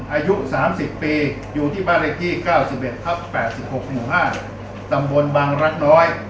อายุ๓๐ปีอยู่ที่บ้านเลขที่๙๑ทับ๘๖หมู่๕ตำบลบางรักน้อย